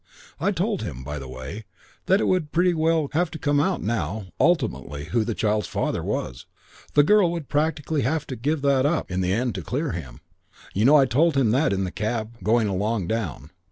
I told him, by the way, that it would pretty well have to come out now, ultimately, who the child's father was: the girl would practically have to give that up in the end to clear him. You know, I told him that in the cab going along down.